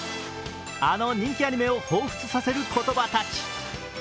あの人気アニメをほうふつさせる言葉たち。